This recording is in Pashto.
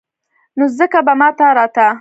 نو ځکه به ما ته راته.